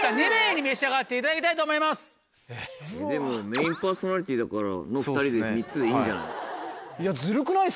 でもメインパーソナリティーだから２人で３つでいいんじゃない？